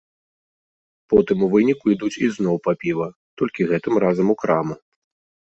Потым у выніку ідуць ізноў па піва, толькі гэтым разам у краму.